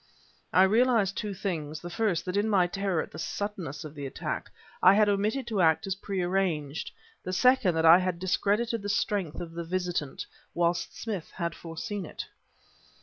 I realized two things: the first, that in my terror at the suddenness of the attack I had omitted to act as pre arranged: the second, that I had discredited the strength of the visitant, whilst Smith had foreseen it.